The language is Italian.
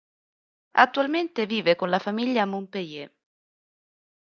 Attualmente vive con la famiglia a Montpellier.